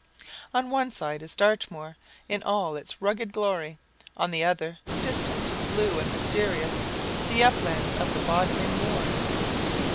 On one side is Dartmoor in all its rugged glory; on the other, distant, blue and mysterious, the uplands of the Bodmin moors.